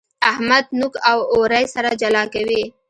احمد نوک او اورۍ سره جلا کوي.